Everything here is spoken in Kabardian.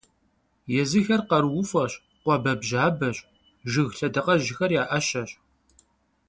Езыхэр къарууфӀэщ, къуабэбжьабэщ, жыг лъэдакъэжьхэр я Ӏэщэщ.